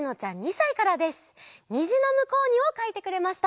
「にじのむこうに」をかいてくれました。